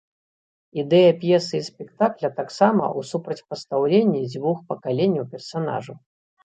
Ідэя п'есы і спектакля таксама ў супрацьпастаўленні двух пакаленняў персанажаў.